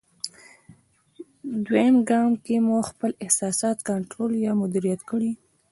دوېم ګام کې مو خپل احساسات کنټرول یا مدیریت کړئ.